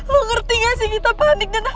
lu ngerti gak sih kita panik dengan hal ini